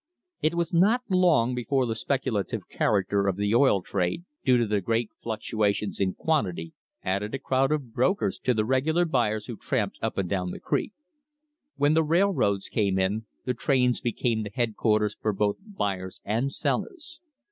It was not long before the specu lative character of the oil trade due to the great fluctuations in quantity added a crowd of brokers to the regular buyers who tramped up and down the creek. When the railroads came in the trains became the headquarters for both buyers and sellers.